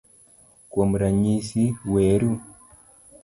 Kuom ranyisi, reru.